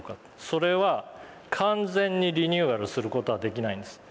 それは完全にリニューアルする事はできないんです。